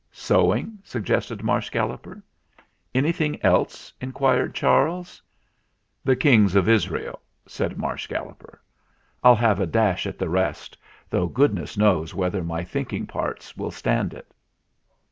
"Sewing," suggested Marsh Galloper. "Anything else?" inquired Charles. "The Kings of Israel," said Marsh Galloper. "I'll have a dash at the rest, though goodness knows whether my thinking parts will stand it."